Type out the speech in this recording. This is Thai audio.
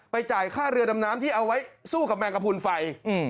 จ่ายค่าเรือดำน้ำที่เอาไว้สู้กับแมงกระพูนไฟ